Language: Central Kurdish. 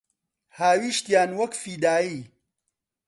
هاویشتیان وەک فیدایی